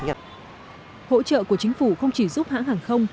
nhập hỗ trợ của chính phủ không chỉ giúp hãng hàng không